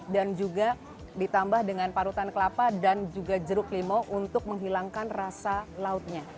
dan juga ditambah dengan parutan kelapa dan juga jeruk limau untuk menghilangkan rasa lautnya